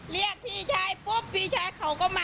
เรียกพี่ชายปุ๊บพี่ชายเขาก็มา